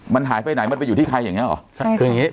มันหายไปไหนมันไปอยู่ที่ใครอย่างนี้หรอคืออย่างนี้